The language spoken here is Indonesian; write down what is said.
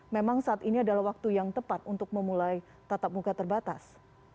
memang saat ini adalah waktu yang tepat untuk memulai tatap muka terbatas